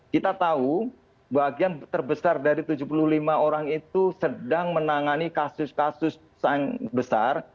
kita tahu bagian terbesar dari tujuh puluh lima orang itu sedang menangani kasus kasus yang besar